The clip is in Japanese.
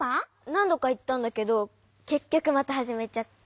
なんどかいったんだけどけっきょくまたはじめちゃって。